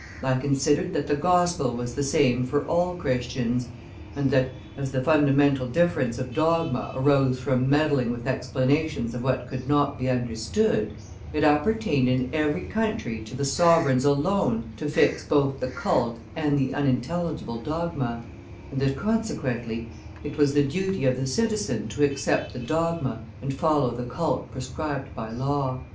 I considered that the Gospel was the same for all Christians, and that, as the fundamental difference of dogma arose from meddling with explanations of what could not be understood, it appertained in every country to the sovereigns alone to fix both the cult and the unintelligible dogma, and that, consequently, it was the duty of the citizen to accept the dogma and follow the cult prescribed by law."